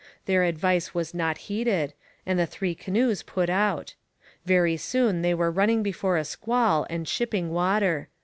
Their advice was not heeded, and the three canoes put out. Very soon they were running before a squall and shipping water.